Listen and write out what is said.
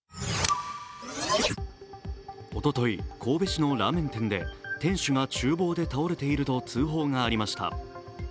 おととい、神戸市のラーメン店で店主が厨房で倒れていると通報がありました。